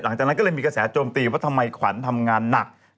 หลังจากนั้นก็เลยมีกระแสโจมตีว่าทำไมขวัญทำงานหนัก